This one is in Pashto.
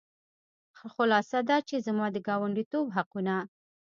خلاصه دا چې زما د ګاونډیتوب حقونه.